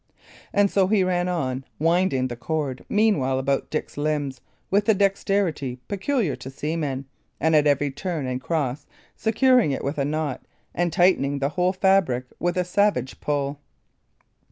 And so he ran on, winding the cord meanwhile about Dick's limbs with the dexterity peculiar to seamen, and at every turn and cross securing it with a knot, and tightening the whole fabric with a savage pull.